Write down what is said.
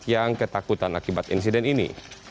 yang ketakutan akibat insiden ini